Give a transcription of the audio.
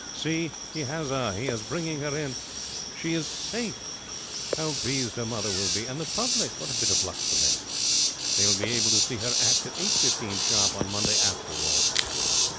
See! He has her. He is bringing her in. She is safe. How pleased her mother will be! And the public, what a bit of luck for them! They will be able to see her act at eight fifteen sharp on Monday after all.